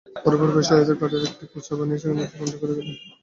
পরে পরিবারের সহায়তায় কাঠের একটি খাঁচা বানিয়ে সেখানে শকুনটিকে রেখে দেন।